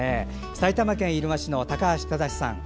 埼玉県入間市の高橋正さん。